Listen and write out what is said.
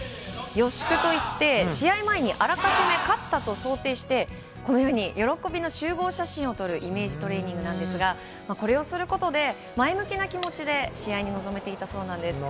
予祝といって、試合前にあらかじめ勝ったと想定して、喜びの集合写真を撮る、イメージトレーニングなんですが、これをすることで、前向きな気持ちで試合に臨めていたそうです。